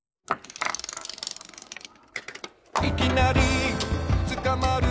「いきなりつかまる」